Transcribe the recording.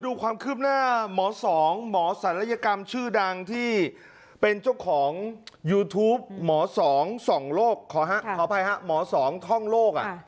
ดูความคืบหน้าหมอสองหมอศาลัยกรรมชื่อดังที่เป็นเจ้าของยูทูปหมอสองท่องโลก